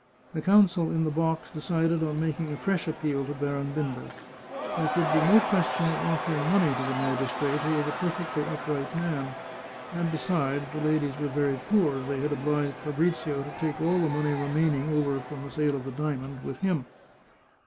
The council in the box decided on making a fresh appeal to Baron Binder. There could be no question of oflfering money to the magistrate, who was a perfectly up right man. And besides, the ladies were very poor; they had obliged Fabrizio to take all the money remaining over from the sale of the diamond with him.